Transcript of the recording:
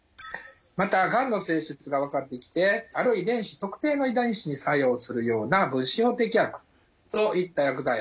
またがんの性質が分かってきてある遺伝子特定の遺伝子に作用するような分子標的薬といった薬剤。